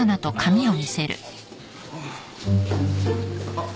あっ。